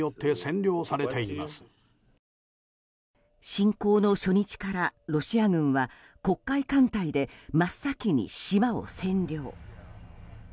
侵攻の初日からロシア軍は黒海艦隊で真っ先に島を占領。